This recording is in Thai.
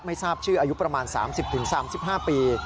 ไม่ทราบชื่ออายุประมาณ๓๐๓๕ปี